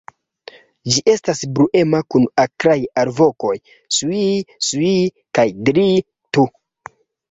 Ĝi estas bruema, kun akraj alvokoj "sŭii-sŭii" kaj "driii-tu".